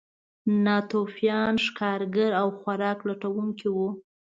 ناتوفیان ښکارګر او خوراک لټونکي وو.